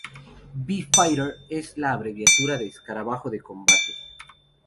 B-Fighter es la abreviatura de "Escarabajo de combate".